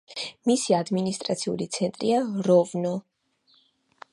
მისი ადმინისტრაციული ცენტრია როვნო.